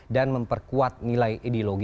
dan memperkuat nilai ideologi